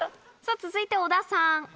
続いて小田さん。